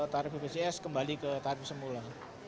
tarif bpjs kembali ke tarif semula